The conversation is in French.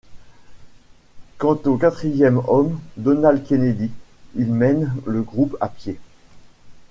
Quant au quatrième homme, Donald Kennedy, il mène le groupe à pied.